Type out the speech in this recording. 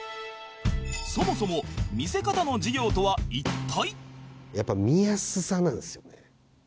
そもそも「見せ方」の授業とは一体？